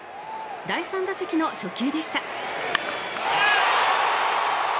第３打席の初球でした。